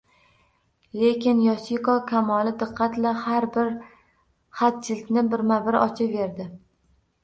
Lekin Yosiko kamoli diqqat-la har bir xatjildni birma-bir ochaverdi